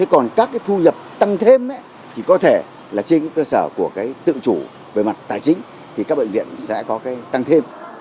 còn các thu nhập tăng thêm thì có thể trên cơ sở của tự chủ về mặt tài chính